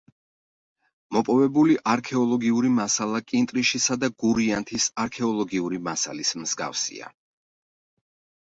მოპოვებული არქეოლოგიური მასალა კინტრიშისა და გურიანთის არქეოლოგიური მასალის მსგავსია.